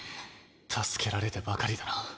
助けられてばかりだな。